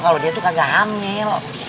kalau dia itu kagak hamil